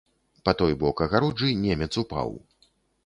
Па той бок агароджы немец упаў.